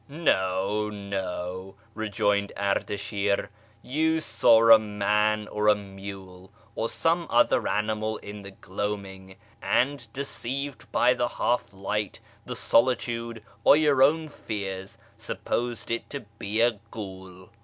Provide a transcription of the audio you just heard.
" No, no," rejoined Ardasln'r, " you saw u man or a mule or some other animal in the gloaming, and, deceived by the half light, the solitude, or your own fears, supposed it to be a glii'd."